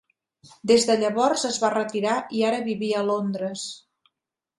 Des de llavors, es va retirar i ara vivia a Londres.